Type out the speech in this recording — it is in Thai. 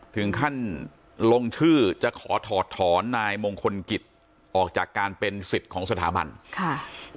ถึงขั้นลงชื่อจะขอถอดถอนนายมงคลกิจออกจากการเป็นสิทธิ์ของสถาบันค่ะ